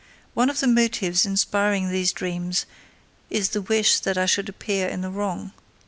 One of the motives inspiring these dreams is the wish that I should appear in the wrong.